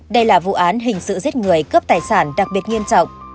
đây là vụ án hình sự giết người cướp tài sản đặc biệt nghiêm trọng